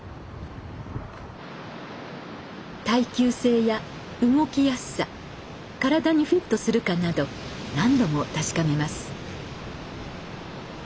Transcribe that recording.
耐久性や動きやすさ体にフィットするかなど何度も確かめます。